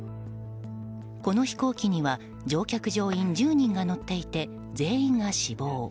この飛行機には乗客・乗員１０人が乗っていて全員が死亡。